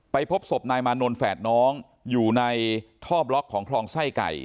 พบศพนายมานนท์แฝดน้องอยู่ในท่อบล็อกของคลองไส้ไก่